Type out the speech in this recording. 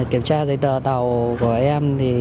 kiểm tra giấy tờ tàu của em